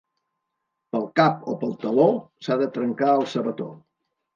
Pel cap o pel taló s'ha de trencar el sabató.